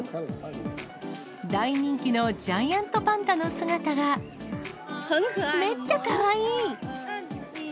大人気のジャイアントパンダめっちゃかわいい。